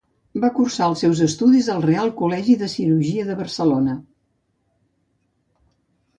Va cursar els seus estudis al Reial col·legi de Cirurgia de Barcelona.